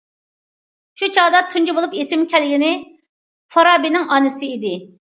شۇ چاغدا تۇنجى بولۇپ ئېسىمگە كەلگىنى فارابىنىڭ ئانىسى ئىدى.